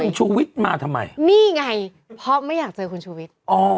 คุณชูวิทย์มาทำไมนี่ไงเพราะไม่อยากเจอคุณชูวิทย์